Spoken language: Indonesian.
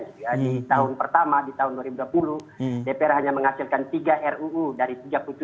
di tahun pertama di tahun dua ribu dua puluh dpr hanya menghasilkan tiga ruu dari tiga puluh tujuh